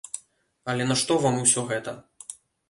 Але нашто вам усё гэта?